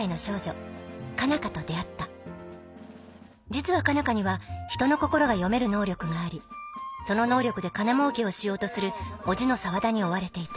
実は佳奈花には人の心が読める能力がありその能力で金もうけをしようとする叔父の沢田に追われていた。